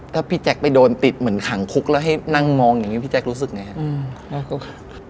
ถ้าพี่แจ๊คไปโดนติดเหมือนขังคุกแล้วให้นั่งมองอย่างนี้พี่แจ๊ครู้สึกไงครับ